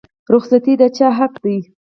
رخصتي د چا حق دی؟